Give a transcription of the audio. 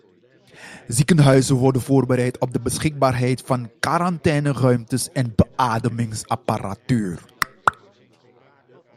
Ziekenhuizen worden voorbereid op de beschikbaarheid van quarantaineruimtes en beademingsapparatuur.